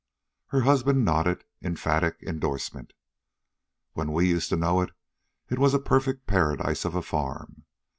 Her husband nodded emphatic indorsement. "When we used to know it, it was a perfect paradise of a farm.